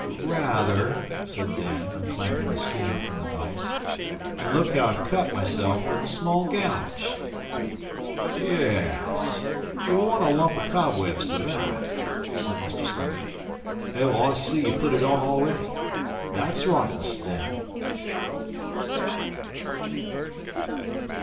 'Ra ather,' said Dan, unclamping the schooner from the vice. 'And look how I've cut myself with the small gouge.' 'Ye es. You want a lump o' cobwebs to that,' said Mr Springett. 'Oh, I see you've put it on already. That's right, Mus' Dan.